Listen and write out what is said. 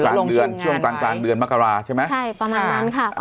กลางเดือนช่วงกลางกลางเดือนมกราใช่ไหมใช่ประมาณนั้นค่ะ